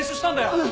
うん！